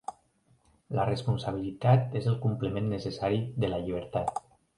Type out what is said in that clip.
La responsabilitat és el complement necessari de la llibertat.